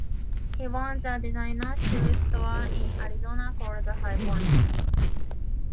He owns a designer shoe store in Arizona called High Point.